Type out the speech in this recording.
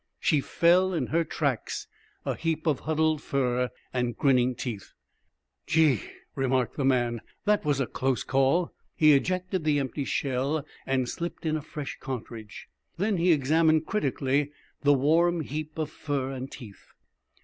She fell in her tracks, a heap of huddled fur and grinning teeth: "Gee," remarked the man, "that was a close call!" He ejected the empty shell and slipped in a fresh cartridge. Then he examined critically the warm heap of fur and teeth.